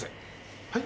はい？